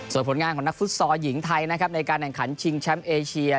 ส่วนผลงานของนักฟุตซอลหญิงไทยนะครับในการแข่งขันชิงแชมป์เอเชีย